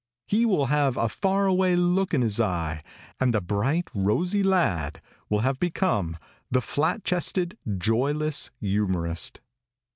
He will have a far away look in his eye, and the bright, rosy lad will have become the flatchested, joyless youmorist.